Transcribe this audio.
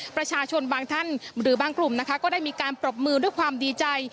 ประชาชนบางท่านหรือบางกลุ่มนะคะก็ได้มีการปรบมือด้วยความดีใจ